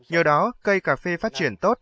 nhờ đó cây cà phê phát triển tốt